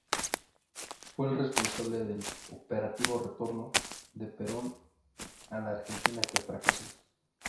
Fue el responsable del "operativo retorno" de Perón a la Argentina, que fracasó.